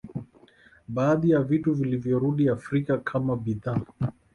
Baadhi ya vitu vilivyorudi Afrika kama bidhaa